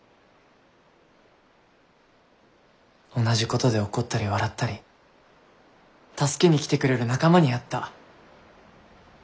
同じことで怒ったり笑ったり助けに来てくれる仲間に会った。